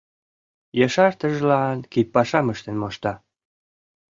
Ешартышыжлан кидпашам ыштен мошта.